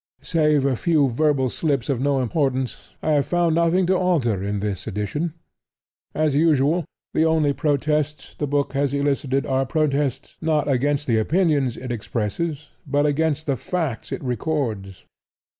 Save a few verbal slips of no importance, I have found nothing to alter in this edition. As usual, the only protests the book has elicited are protests, not against the opinions it expresses, but against the facts it records.